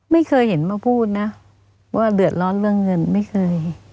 ไม่เคยเห็นมาพูดนะว่าเดือดร้อนเรื่องเงินไม่เคย